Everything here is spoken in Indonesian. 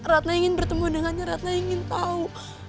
radna ingin bertemu dengannya radna ingin tahu